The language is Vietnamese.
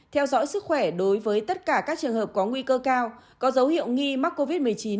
theo dõi sức khỏe đối với tất cả các trường hợp có nguy cơ cao có dấu hiệu nghi mắc covid một mươi chín